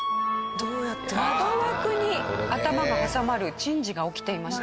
窓枠に頭が挟まる珍事が起きていました。